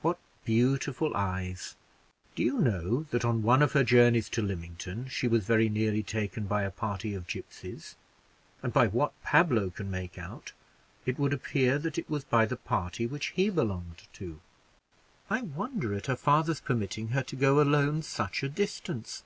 What beautiful eyes! Do you know that on one of her journeys to Lymington she was very nearly taken by a party of gipsies? and by what Pablo can make out, it would appear that it was by the party to which he belonged." "I wonder at her father permitting her to go alone such a distance."